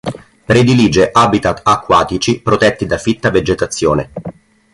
Predilige habitat acquatici protetti da fitta vegetazione.